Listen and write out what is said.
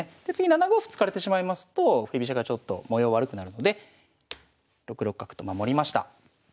で次７五歩突かれてしまいますと振り飛車がちょっと模様悪くなるので６六角と守りました。